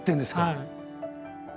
はい。